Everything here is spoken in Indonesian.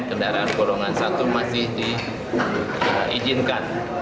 kendaraan golongan satu masih diizinkan